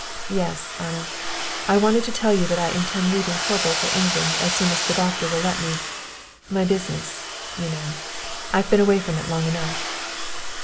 "Yes, Anna, I wanted to tell you that I intend leaving Corbo for England as soon as the doctor will let me. My business, you know I've been away from it long enough."